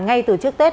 ngay từ trước tết